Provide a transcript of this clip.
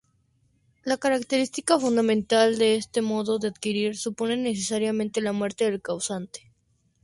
La característica fundamental de este modo de adquirir supone necesariamente la muerte del causante.